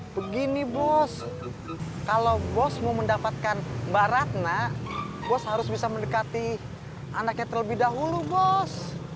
begini bos kalau bosmu mendapatkan mbak ratna bos harus bisa mendekati anaknya terlebih dahulu bos